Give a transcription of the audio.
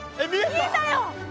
見えたよ。